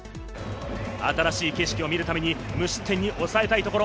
新しい景色を見るために無失点に抑えたいところ。